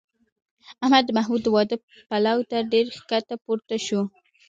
احمد د محمود د واده پلو ته ډېر ښکته پورته شو.